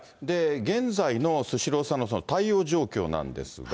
現在のスシローさんのその対応状況なんですが。